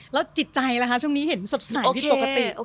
แล้วจิตใจล่ะคะช่วงนี้เห็นสดใสผิดปกติ